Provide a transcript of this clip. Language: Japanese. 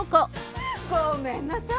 ごめんなさい。